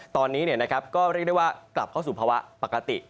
ตอนนี้ก็เรียกได้ว่ากลับเข้าสู่ภาวะปกติ